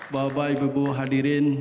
bapak ibu ibu hadirin